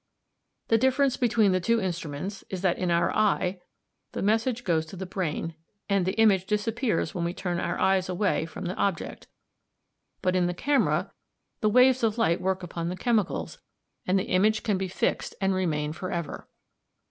The difference between the two instruments is that in our eye the message goes to the brain, and the image disappears when we turn our eyes away from the object; but in the camera the waves of light work upon the chemicals, and the image can be fixed and remain for ever.